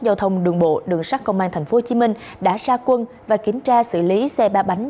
giao thông đường bộ đường sát công an tp hcm đã ra quân và kiểm tra xử lý xe ba bánh